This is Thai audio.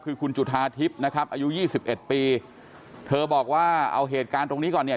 คือคุณจุธาทิพย์นะครับอายุยี่สิบเอ็ดปีเธอบอกว่าเอาเหตุการณ์ตรงนี้ก่อนเนี่ย